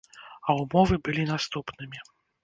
А ўмовы былі наступнымі.